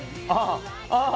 ああ